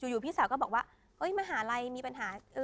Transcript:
อยู่พี่สาวก็บอกว่ามหาลัยมีปัญหา